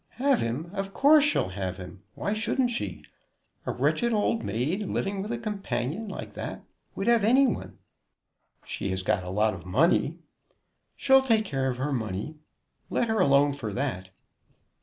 "Have him! Of course she'll have him. Why shouldn't she? A wretched old maid living with a companion like that would have any one." "She has got a lot of money." "She'll take care of her money, let her alone for that.